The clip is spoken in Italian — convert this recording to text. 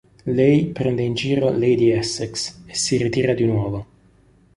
Lei prende in giro Lady Essex e si ritira di nuovo.